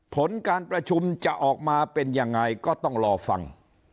ผลการประชุมจะออกมาเป็นยังไงก็ต้องรอฟัง